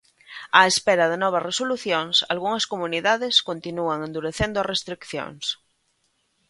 Á espera de novas resolucións, algunhas comunidades continúan endurecendo as restricións.